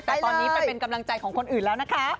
แต่ตอนนี้ไปเป็นกำลังใจของคนอื่นแล้วนะคะ